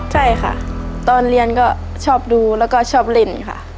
ใช่ค่ะตอนเรียนก็ชอบดูแล้วก็ชอบเล่นค่ะ